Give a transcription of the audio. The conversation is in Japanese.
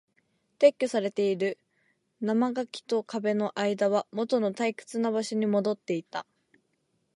撤去されている。生垣と壁の間はもとの退屈な場所に戻っていた。